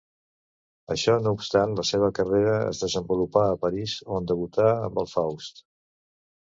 Això no obstant, la seva carrera es desenvolupà a París, on debutà amb el Faust.